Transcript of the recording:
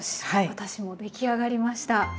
私もできあがりました。